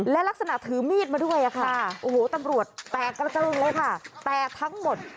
และลักษณะถือมีดมาด้วยค่ะโอ้โหตำรวจแตกกระเจิงเลยค่ะแตกทั้งหมด